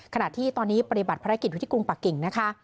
ขณะที่ตอนนี้ปฏิบัติภารกิจอยู่ที่กรุงปะกิ่งนะคะ